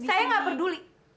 saya gak peduli